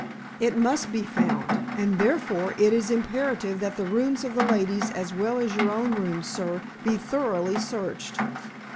"It must be found. And, therefore, it is imperative that the rooms of the ladies as well as your own rooms, sir, be thoroughly searched."